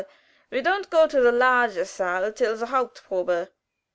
We don't go to the large saal till the haupt probe."